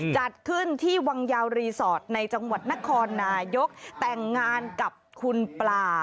จัดขึ้นที่วังยาวรีสอร์ทในจังหวัดนครนายกแต่งงานกับคุณปลา